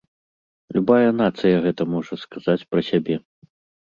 Любая нацыя гэта можа сказаць пра сябе.